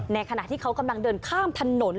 ขณะที่เขากำลังเดินข้ามถนน